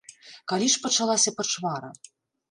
Калі ж пачалася пачвара?